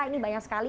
ini banyak sekali